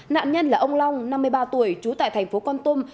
nạn nhân là ông long năm mươi ba tuổi trú tại thành phố con tum